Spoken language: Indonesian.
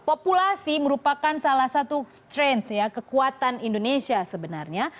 populasi merupakan salah satu strength kekuatan indonesia sebenarnya